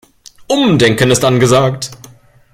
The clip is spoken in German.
Umdenken ist angesagt.